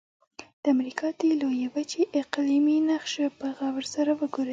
د امریکا د لویې وچې اقلیمي نقشه په غور سره وګورئ.